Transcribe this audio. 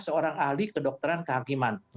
seorang ahli kedokteran kehakiman